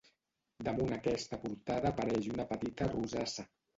Damunt aquesta portada apareix una petita rosassa.